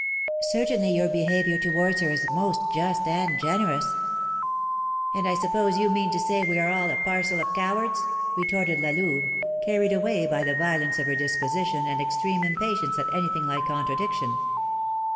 Certainly your behaviour towards her is most just and generous!" "And I suppose you mean to say we are all a parcel of cowards?" retorted La Louve, carried away by the violence of her disposition and extreme impatience at anything like contradiction.